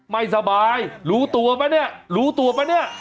ไม่สบายรู้ตัวไหมนี่รู้ตัวไหมนี่